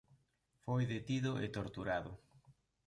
Foi detido e torturado.